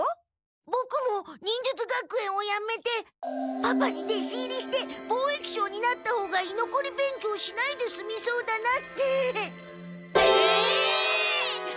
ボクも忍術学園をやめてパパに弟子入りして貿易商になったほうがいのこり勉強しないですみそうだなって。え！？